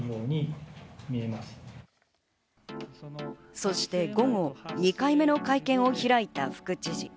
そして午後、２回目の会見を開いた副知事。